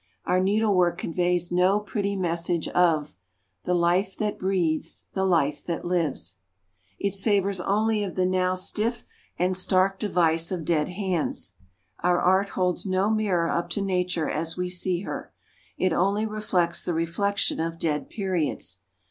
Our needlework conveys no pretty message of "The life that breathes, the life that lives," it savours only of the now stiff and stark device of dead hands. Our art holds no mirror up to Nature as we see her, it only reflects the reflection of dead periods.